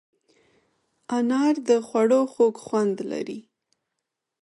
انار د خوړو خوږ خوند لري.